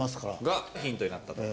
がヒントになったと？